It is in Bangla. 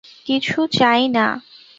কিছু চাই না।